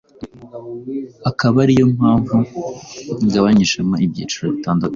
akaba ari yo mpamvu bigabanyijemo ibyiciro bitandatu